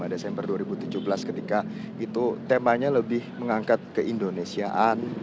desember dua ribu tujuh belas ketika itu temanya lebih mengangkat keindonesiaan